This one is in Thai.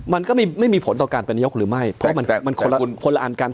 มันก็ไม่มีผลต่อการเป็นนายกหรือไม่เพราะมันคนละคนคนละอันกัน